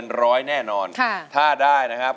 หรือว่าร้องผิดครับ